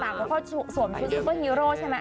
แล้วก็สวมชุดซุปเปอร์ฮีโร่ใช่ไหม